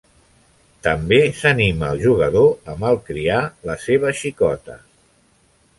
També s'anima el jugador a malcriar la seva xicota.